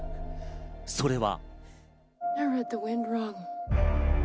それは。